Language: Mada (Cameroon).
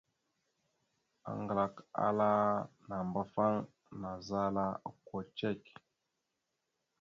Aŋglak ala nàambafaŋ naazala okko cek.